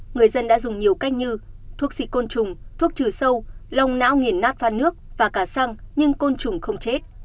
người dân đã dùng nhiều cách như thuốc xịt côn trùng thuốc trừ sâu lòng não nghiền nát pha nước và cả xăng nhưng côn trùng không chết